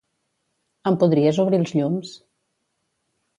Em podries obrir els llums?